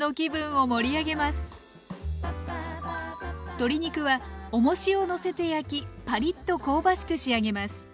鶏肉はおもしをのせて焼きパリッと香ばしく仕上げます。